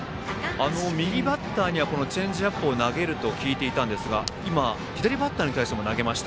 右バッターにはチェンジアップを投げると聞いていたんですが今、左バッターに対しても投げました。